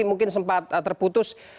mungkin sempat terputus